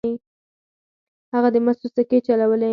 هغه د مسو سکې چلولې.